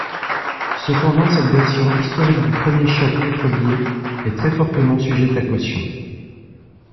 Cependant cette version historique du premier choc pétrolier est très fortement sujette à caution.